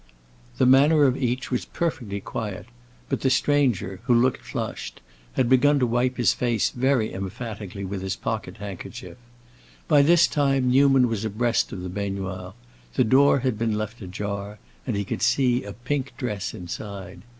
The manner of each was perfectly quiet, but the stranger, who looked flushed, had begun to wipe his face very emphatically with his pocket handkerchief. By this time Newman was abreast of the baignoire; the door had been left ajar, and he could see a pink dress inside.